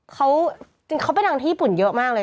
เขาผมไปนั่งที่ญี่ปุ่นเยอะมากเลย